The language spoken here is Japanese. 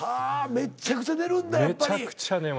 めちゃくちゃ寝るんだやっぱり。